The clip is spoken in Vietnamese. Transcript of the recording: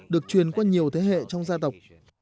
được truyền qua nhiều thế hệ trong gia tộc